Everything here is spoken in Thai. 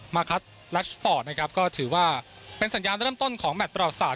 มาคัดลักสปอร์ตนะครับก็ถือว่าเป็นสัญญาณเริ่มต้นของแมทประวัติศาสต